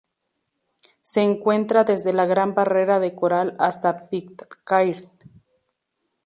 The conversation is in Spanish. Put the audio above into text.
Se encuentra desde la Gran Barrera de Coral hasta Pitcairn.